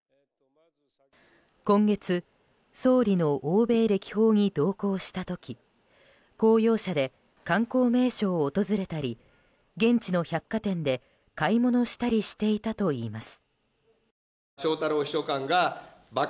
今月、総理の欧米歴訪に同行した時公用車で観光名所を訪れたり現地の百貨店で、買い物したりしていたといいます。